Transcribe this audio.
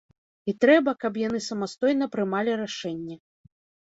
І трэба, каб яны самастойна прымалі рашэнні.